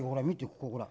ここほら。